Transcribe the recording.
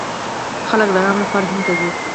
خلک د ارام لپاره هند ته ځي.